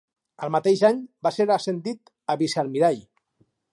Al mateix any va ser ascendit a vicealmirall.